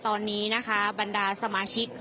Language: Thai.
ตอนนี้นะครับบรรดามาเงินสัมมาชิก